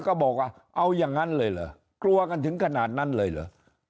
ก็บอกว่าเอาอย่างนั้นเลยเหรอกลัวกันถึงขนาดนั้นเลยเหรอ